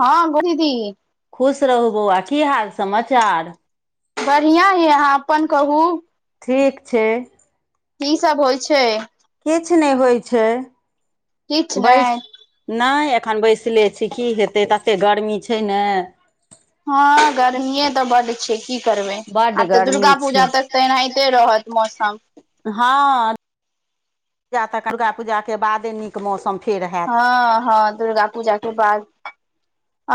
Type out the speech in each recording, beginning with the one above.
हँ गो दीदी खुश रहू बौआ की हाल समाचार बढ़ियाँ ये अहाँ अपन कहू ठीक छै की सब होइ छै किछु नहि होइ छै किछु बैस नहि नहि एखन बैसले छी की हेतै ततेक गरमी छै ने हँ गर्मीए तऽ बड्ड की करबै बड्ड आब तऽ गर्मी दुर्गा छै पूजा तक तऽ एनाहिते रहत मौसम हँ तऽ दुर्गा पूजा के बादे नीक मौसम फेर हेत हँ हँ दुर्गा पूजा के बाद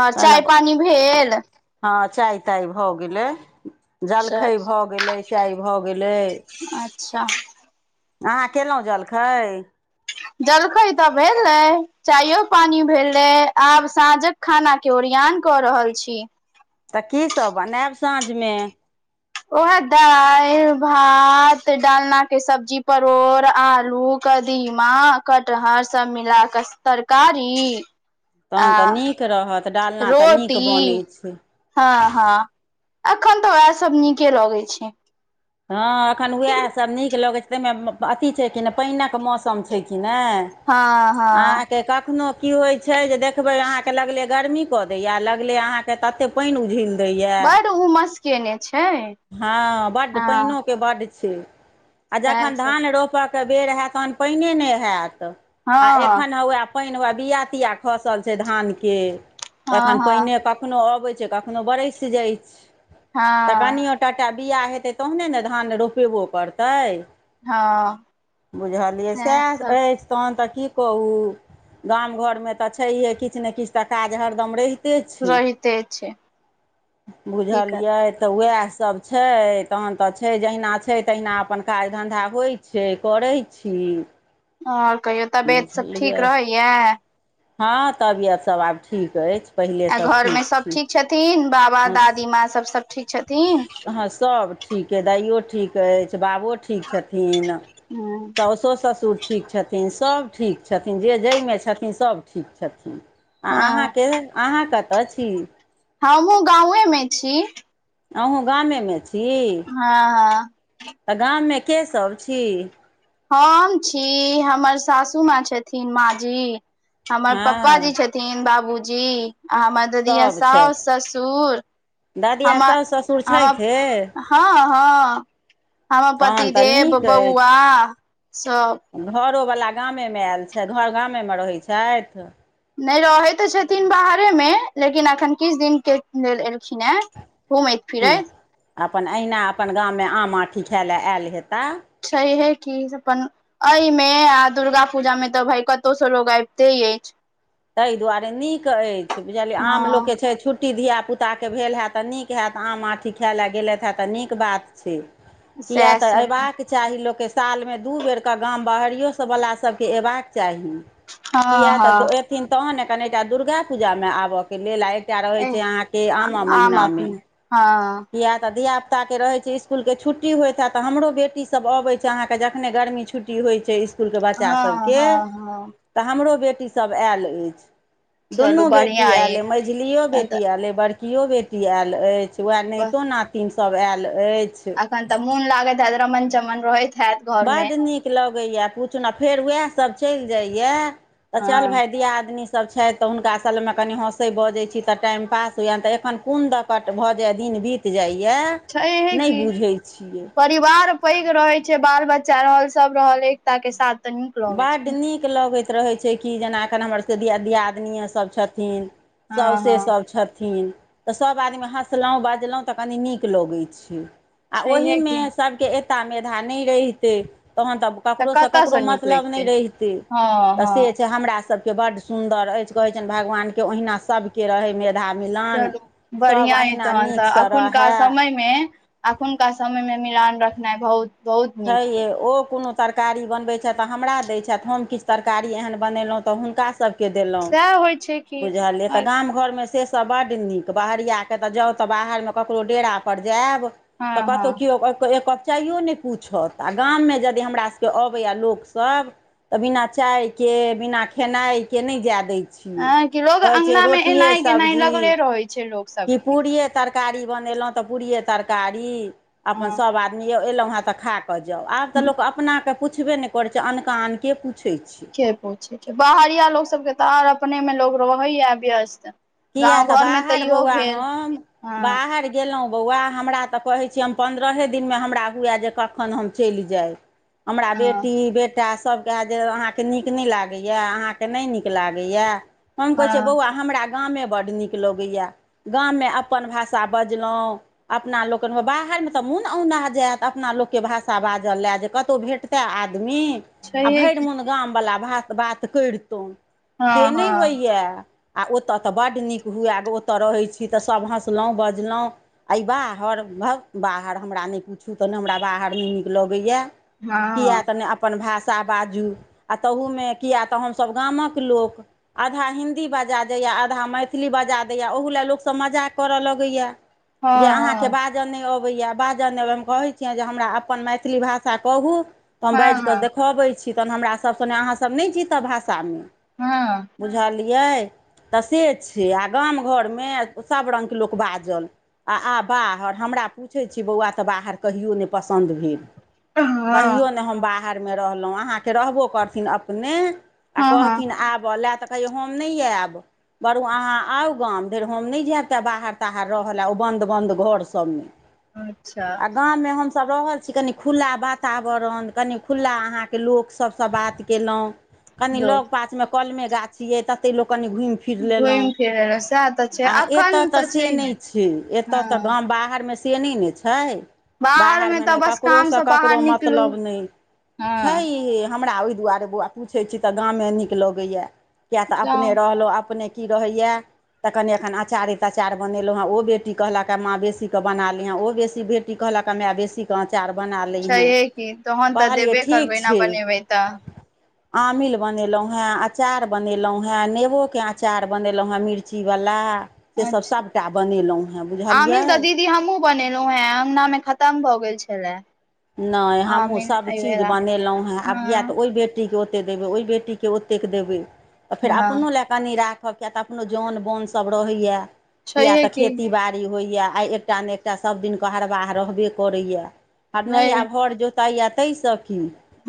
आओर चाय पानी भेल हँ चाह ताय भऽ गेलै जलखै अच्छा भऽ गेलै चाय भऽ गेलै अच्छा अहाँ केलहुँ जलखै जलखइ तऽ भेलै चाययो पानी भेलै आब साँझक खाना के ओरियान कऽ रहल छी तऽ कीसभ बनायब साँझमे वहे दालि भात डालना के सब्जी परोड़ आलू कदीमा कटहर सब मिला कऽ तरकारी आ तखन तऽ नीक रहत डालना तऽ नीक रोटी बनैत छै हँ हँ एखन तऽ वएह सब नीके लगे छै हँ एखन वएह सब नीक लगै छै ताहिमे अथी छै कि नहि पानिक मौसम छै कि नहि हँ हँ अहाँ के कखनो की होय छै जे देखबे अहाँ के लगले गर्मी क दे या लगले अहाँ के तते पानि उझल दए बड उमस केने छै हँ बड हँ बड्ड छै आ सएह जखन सब धान रोपयके बेर होयत तहन पानिए नहि होयत आ हँ एखन उएह पानि उएह बआ तिया खसल छै धानके हँ तखन हँ पानिए कखनोहु अबैत छै कखनोहु बरसि जाइत छै तऽ हँ कनिियओ टा बआ हेतै तहने ने धान रोपेबो करतै हँ बुझलियै सएह अछि तहन तऽ की कहू गाम घरमे तऽ छैहे किछु ने किछु तऽ काज हरदम रहि रहै त छै रहिते छै की बुझलिय करबै तऽ वह सब छै तहन तऽ छै जहिना छै तहिना अपन काज धन्धा होइ छै करै छी आओर कहियो तबियत सब ठीक बुझलियै रहैया हँ तबियत सब आब ठीक अछि आ पहिलेसँ घर मे सब छी ठीक छथिन बाबा हँ दादी माँ सब सब ठीक छथिन हँ सब ठीक अछि दाइयो ठीक अछि बाबो ठीक ठीक छथिन हँ साउसो सासूट ठीक छथिन छथिन सब ठीक छथिन जे जाहिमे छथिन सब ठीक छथिन आ हँ अहाँके अहाँ कतऽ छी हमहहुँ गाे मे छी अहूँ गामेमे छी हँ हँ तऽ गाममे केसभ छी हम छी हमर सासु माँ छथिन माँ जी हमर प्प हँ जी छथिन थिन बाबूजी आाँ म ददीिया साउ ससुर दादिया हमर साउ ससुर हमर छथिे हँ हँ हमर तहन तऽ पतिदव नीक अछि बौआ सब घरोवला गामेमे आयल छथि घर गामेमे रहैत छथि नहि रहै तऽ छथिन बाहरे मे लेकिन अखन किछु दिनक के लेल एलखिन हेँ घुमैत की फिरयत अपन अहिना अपन गाममे आम आँठी खाइ लए आयल हेताह छहे कि अपन एहिमे आ दुर्गा पूजा मे तऽ भााय कतहु स लोग आबिते अछि ताहि दुआरे नीक अछि बुझलियै आम हँ लोकके छै छुट रुट्टी धियाापुताके भेल हैत तऽ नीक होैतत आम आँठी खाय लए गेलथि हे तऽ नीक बात छै किया सएह तऽ सब अयबाक चाही लोककेँ सालमे दू बेरके गाम बाहरियोसँवला सभके अयबाक चाही किए हँ हँ तऽ एथिन तहन ने कनिटा दुर्गा पूजामे आबयके लेल आइ तए रहै एह छै अहाँके आम महिनामे हँ किया तऽ धिया पुता के रहै छै इसकुल के छुट्टी होइत हैत हमरो बेटी सब अबै छै अहाँके जखने गर्मी छु छुट्टी होइ छै इसकुलके बच्चा हँ सबके हँ हँ तऽ हमरो बेटीसब आयल अछि दुनू चलू बेटी बढ़िआँ आयल अइ मंझलिओ तहन तऽ बेटी आयल अइ बड़कियो बेटी आयल अछि वह बस नाइतो नातिन सब आयल अछि अखन त मन लागैत हैत रमन चमन रहैैत बड्ड नीक लगैए पूछूना आ फेर उएहसब चलि जाइए तऽ चल हँ भाय दियादिनी सभ छथि तऽ हुनकामे कनि हँसै बजै छी तऽ टाइम पास होइय तऽ एखन कोन दऽ कट भऽ जाइ दिन बीत जाइया छै हे कि परिवार पैघ रहे छै बाल बच्चा रहल सब रहल एकता के साथ तऽ नीक लगै छै बड्ड ने नीक लगैत रहै छै कि जेना एखन हमरसभ के दियादनिएसभ छथिन हँ सौसे हँ सब छथिन तऽ सब आदमी हँसलौं बजलौं तऽ कनी नीक लगैत छै आ छैहे ओहिमे की सबके ता मेधा नहि रहितै तहन तऽ ककरो से कतयसँ ककरो मत नीक मतलब नहि लगितै रहितै हँ तऽ हँ से छै हमरा सब के बड्ड सुंदर अछि कहै छनि भगवान के ओहिना सब के रहे मे चलू बढ़िया अए तहन तऽ नीकसँ एखुनका रहए समयमे अखुनका समय में मिलान रखनाइ बहुत बहुत छै नीक य यइ ओ कोनो तरकारी बनबै छथि तऽ हमरा दै छथि हम किछु तरकारी एहन बनेलहु तो हुनका स के देलौं सएह होइ छै कि बुझलिए आओर की। गाम घरमे से स सब बड्ड नीक बहरिया के तऽ जाउ तऽ बाहरमे ककरो डेरा पर जायब तऽ हँ हँ कतहु कियो एक कप चायो न पूछत आ गाममे यदि हमरासभके अबैय लोकसभ तऽ बिना चाय के बिना खेनाइ के नहि जाय दैत हँ कि लोग कहइछिय अंगना मे रोटियए एनाइ गेनाइ सब्जी लगले रहै छै लोक कि सबके पुरी तरकारी बनेलौं तऽ पूड़ियए तरकारी अपन हँ सभ आदमी एलौं हँ तऽ खाक कऽ जाउ आब तऽ लोक अपनाके पुछबे नइ करै छै अनका आनके के पूछै छै के पूछै छै बाहरिया लोक सबके तऽ आर अपने मे लोग रहैया व्यस्त किया गाँव तऽ घरमे बाहर इहो बौआ भेल हम हँ बाहर गेलौं बौआ हमरा तऽ कहै छी हम पन्द्रहे दिनमे हमरा हुए जे कखन हम चलि जाइ हमरा हँ बेटी बेटा सब कहे कि जे आहां के नीक नइ लागैय आहां के नइ नीक लागैय हम कहैछिए हँ बौआ हमरा गांमे बड्ड नीक लगैए गाममे अपन भाषा बजलौं अपना लोकनिमे बाहरमे तऽ मोन औना जायत अपना लोकके भाषा बाजय लए जे कतहु भेंट तऽ आदमी आ छैहे भरि कि मोन गामवला भात बात करितौं से हँ नहि हँ होइए आ ओतय तऽ बड नीक हुए ओतय रहै छी तऽ सभ हँसलौं बजलौं अइ बाहर भक बाहर हमरा नइ पुछू तऽ नइ हमरा बाहर नइ नीक लगैए कीया हँ त न अपन भाषा बाजू आ ताहूमे किए तऽ हमसब गामक लोक आधा हिन्दी बजात आधा मैथिली बजा दैय ओहुला लोकसब मजाक कऽर लगैय जे आहां के हँ बात बाजऽ नइ अबैए बाजऽ नै अबै हम कहै छियनि जे हमरा अपन मैथिली भाषा कहू त हँ बाज हँ कऽ हँ देखबै छी तहन हमरा सब कहैए अहाँ सब न नै जीतब भाषा तामे हँ बुझलियै तऽ से छै आ गाम घरमे सभ रङ्गके लोक बाजल आ आ बाहर हमरा पूछे छी बौआ ते बाहर कहियो ने पसंन्द भीड़ हँ हँ कहियो नहि हम बाहरमे रहलहुँ अहाँके रहबो करथिन अपने आ हँ हँ कहथिन आबह लए तऽ कहियौ हम नहि आयब बरू अहाँ आउ गाम फेर हम नहि जायब तऽ बाहर ताहर रहय लए ओ बन्द बन्द घरसभमे अच्छा गाममे हमस रहल छी कनि खुला वातावरण कनि खुला अहाँके लोक सबसँ बात केलहुँ कनि लोक लग पास मे कलमे गाछियै तते लोको कनी घुमि फिर लेलहुँ घुमि फिरै लए सएह तऽ छै आ अखन एतऽ तऽ से छैहे नहि छै एतय तऽ हँ ग बाहर में सेनी ने छै बाहर मे बाहरमे तऽ ने बस काम ककरोसँ से बाहर ककरो निकलू मतलब नहि छै हँ हमरा ओहि दुआरे बोवा पूछैत छी तऽ गामे नीक लगैए किएक तऽ जाउ अपने रहलहुँ अपने की रहैए तऽ कनि अखन अचारे त अचार बनेलो हें ओ बेटी कहलक माँ बेसी के बना लेहें ओ बेसी बे की कहल कमे आ बेसी अचार बना लिहेँ छैहे की तहन तऽ कहलियै देबे ठीक करबै ने छै बनेबै तऽ आमिल बनेलौहे अचार बनेलौहे नेबो के अचार बनेलौं हँ मिर्ची बला से सब अच्छा सभटा बनेलौं हँ बुझलियै एमकी हमहुँ बनेलौं हे अङ्गना मे खतम भऽ गेल छलाह नहि हमहुँ सभ चीज बनेलहुँ हेँ आब किया तऽ हँ ओहि बेेट बेटी के ओते देबै ओहि बेटी के ओतेक के देबै आ फेर हँ अपनो लए कनि राखब किया तऽ अपनो जौन बोन सभ रहैया किया छैहे तऽ की खेती बाड़ी होइया आइ एकटा ने एकटा सब दिन के हरबाह रहबे करैया आ नहि भय आब हर जोत ताया ताहिसँ की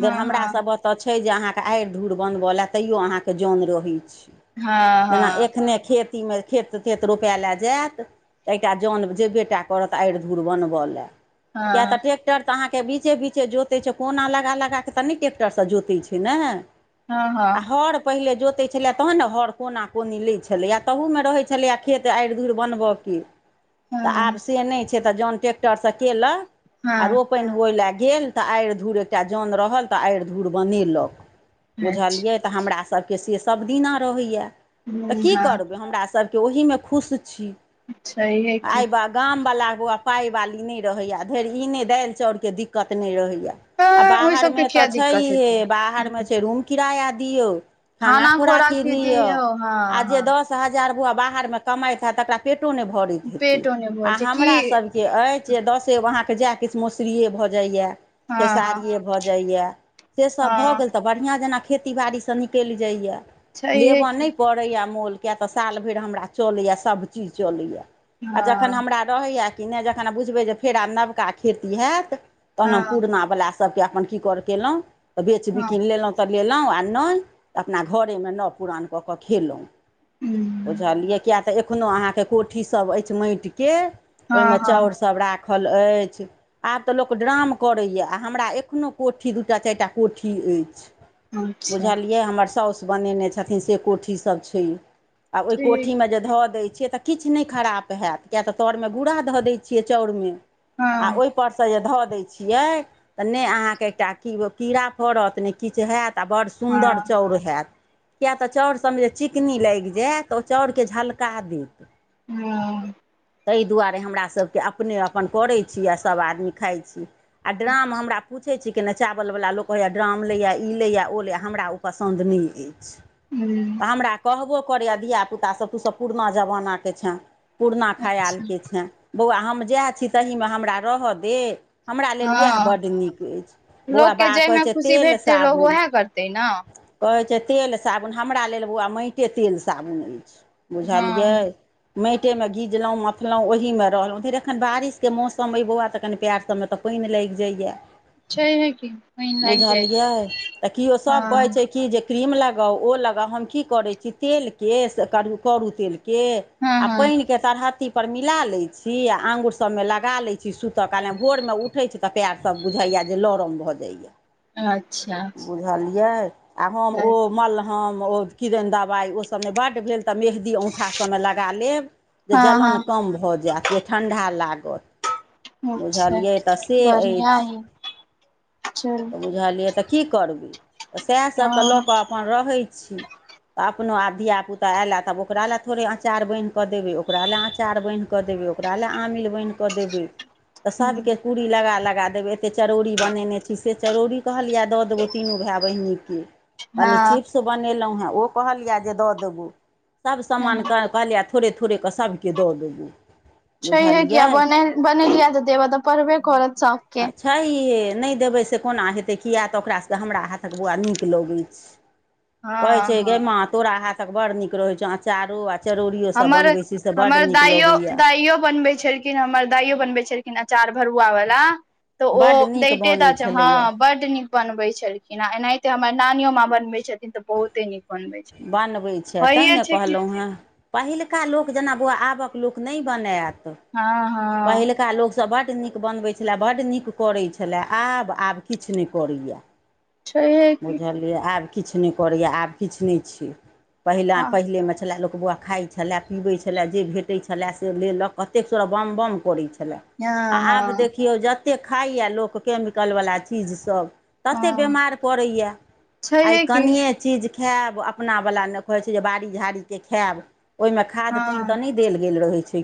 धेर हमर हँ सबहक तऽ छै जे अहाँके आड़ि धूर बनबऽ लए तैयो अहाँके जौन रहै छै हँ जेना हँ एखने खेतीमे खेत तेत रोपा लए जायत तऽ एकटा जन जे बेटा करत आड़ि धूर बनबय लए किएक तऽ हँ टेक ट्रैेक्टर तऽ अहाँके बिचे बीचे जोतैत छै कोना लगा लगा कऽ तनी टैेक्टरसँ जोतैत छै ने हँ आ हँ हर पहिले जोतै छलै तहन ने हर कोना कोनि लै छलैए तहुमे रहै छलै खेत आड़ि धुर बनबऽ की तऽ आब हँ से नहि छै तऽ जन ट्रैेक्टरसँ केल आ हँ रोपनि होय लए गेल तऽ आड़ि धूर एकटा जन रहल तऽ आड़ि धूर बनेलक अच्छा बुझलियै तऽ हमरासभके से सभ दिना रहैए तऽ की हँ करबै हमरास सबके ओहि मे खुश छी छैहे की आय बाग गामवला बौआ पाइ बाली नहि रहैय धरि ई नहि दालि चाउरके दिक्कत नहि रहैय आ तऽ ओहि सबके बाहरमे तऽ किया छै दिक्कत हे हेतै बाहरमे छै रूम किराया दियौ खाना खोराक खोराकी भी लिआ दियौ हँ जे हँ दस हजार बौआ बाहरमे कमाइत हए तकरा पेटो नै भरैत हैतै पेटो नहि भर आ छै की हमरा सब के अछि जे दसे अहाँकेँ जाए किछु मौसुरियए भऽ जाइए हँ हँ खेसारिए भऽ जाइए सेसभ भऽ हँ गेल तऽ बढ़ियां जेना खेती बाड़ीसँ निकलि जाइय छैहे लेबऽ की नय परैया या मोल किया त साल भरि हमरा चलया सब चीज चलया जखन हँ हमरा राहिया किने जखन आब बुझबै जे फेर आब नबका खेती हैत तहन हँ हम पूरना बाला सब सबके अपन की कर केलहुँ तऽ बेच हँ बिकिन लेलौ तऽ लेलौ आ नहि अपना घरेमे नओ पुरान कऽ कऽ खेलौ हूँ बुझलियै किएक तऽ एखनहु अहाँके कोठीसभ अछि माटिके हँ ओहिमे हँ चाउरसभ राखल अछि आब तऽ लोक ड्राम करैए आ हमरा एखनो कोठी दू टा चारि टा कोठी अछि अच्छा बुझलियै हमर सासु बनेने छथिन से कोठीसभ छै आ ओहि ठीक कोठी मे जे धऽ दैय छियै तऽ किछु नहि खराब हैत किएक तऽ तरमे गुड़ा धऽ दै छियै चाउरमे आ हँ ओहिपरसँ जे धऽ दै छियै तऽ नहि अहाँके एकटा की कीड़ा पड़त नहि किछु हैत आ बड़ सुन्दर हँ चाउर हैत किएक तऽ चाउर सभमे जे चिकनी लागि जायत तऽ ओ चाउरकेँ झलका देत हँ ताहि दुआरे हमरासभके अपने अपन करैत छी आ सभ आदमी खाइत छी आ ड्राम हमरा पूछै छी केने चावलवा ला लोक कहैये ड्राम लैए ई लैए ओ लैए हमरा ओ पसन्द नहि अछि ह तऽ हमरा कहबो करैए धियापुतासभ तूसभ पुरना जमानाके छेँ पुरना अच्छा खयालके छनि बौआ हम जएह छी तहीमे हमरा रहय दे हमरा लेल उएह हँ बड्ड नीक अछि बौआ बा लोकके बाक कहै जाहिमे छै खुशी तेल भेटतै लोक साबुन उएह करतै ने कहैत छै तेल साबुन हमरा लेल बौआ माटिे तेल साबुन अछि बुझलियै हँ माटे मे गीजलहुँ मपलहुँ ओहिमे रहलहुँ फेर एखन बारिशके मौसम समयबौआ तऽ कनि पएर सबमे तऽ पानि लागि जाइए छैहे की पानि लागि जाइत बुझलियै हैत। तऽ केओ सभ कहै हँ छै कि जे क्रीम लगाउ ओ लगाउ हम की करै छी तेलके से कर करू तेलके हँ आ पानि के तरहत्ती पर मिला लै छी आ आंगुर सबमे लाग लगा लैत छी सुतऽ क नहि भोरमे उठैत छी तऽ पएर सब बुझैया जे लरम भऽ जाइया अच्छा बुझलियै आ हम ओ मलह हम ओ किदेन दवाई ओ सभ नहिं बड्ड भेल त मेंहदी दी औङूठ सभमे लगा लेब जे हँ जलन हँ कम भऽ जायत जे ठंडा लागत अच्छा बुझलियै तऽ से बढ़िया अछि य चल तऽ बुझलियै तऽ की करबै तऽ सएह सभ तऽ लऽ हँ कऽ अपन रहै छी तऽ अपनो आब धियियाापुता एयलाए तब ओक ल थोड़े आचार बानहि कऽ देबै ओकरा लएार अचार बानहिऽ देबे ओकरा ले आमिल बानहि क कऽ देबै तऽ हँ सबके कुरी लगा लगा देबै एत्ते चरोरी बने छी कनि चेरोउरी कहलिय द देबोएय तिनों भाई बहन के कनि चिप्स बनहु हन ओ कहलिए दऽ देबो सभ सबान हँ कें थोड़े थोड़े क सभके दऽ देबू छै हे किया बन बनेलियिया तऽ देव तऽ परबे करत सब छै नहि देबै से कोना हेतै किए तऽ ओकरासँ हमरा हाथक बौआ नीक लगै छै हँ कहै छै गे हँ माँ तोरा हाथक बड़ नीक रहे छौ अचारो आर हमर हमर दाइयो लगैए दाइयो बनबे छल लेकिन हमर दाइयो बनबे छलखिन अचार भरुआ वाला तऽ ओ बड्ड नीक दैते त बनै छै हँ छलैए बड नीक बनबे छलखिन आ एनाहिते हमर नानियो माँ बनबे छथिन तऽ बहुते नीक बनबै छै बनबैत छै तैँ होइये ने छै कि कहलहुँ हेँ पहिलका लोक जेना बौआ आबक लोक नहि बनायत हँ हँ पहिलका लोक सभ बड्ड नीक बनबै छलए बड्ड नीक करै छलए आब आब किछु नहि करैया छैहे कि बुझलियै आब किछु नहि करैए आब किछु नहि छिय पहिला हँ पहिले मे छला लोक बौआ खाइत छलै पीबै छलै जे भेटै छलै से लेलक कतेक सरा बाम बम करै छलाह आ हँ आब हँ देखियौ जतेक खाइए लोक कमिकलवला चीजसभ तते हँ बीमार पड़ैया आइ छैहे की कनिे चीज खायब अपना वाल कहै छै जे बाड़ी झाड़ी के खायब ओहिमे खाद पानि हँ तऽ नहि देल गेल रहै छै